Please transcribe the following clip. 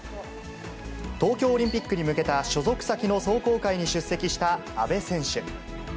東京オリンピックに向けた所属先の壮行会に出席した阿部選手。